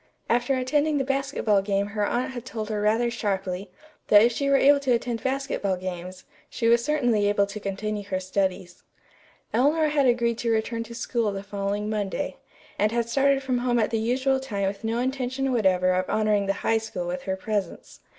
After attending the basketball game her aunt had told her rather sharply that if she were able to attend basketball games, she was certainly able to continue her studies. Eleanor had agreed to return to school the following Monday, and had started from home at the usual time with no intention whatever of honoring the High School with her presence.